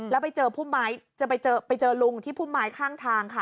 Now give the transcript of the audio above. แล้วไปเจอพุ่มไม้จะไปเจอลุงที่พุ่มไม้ข้างทางค่ะ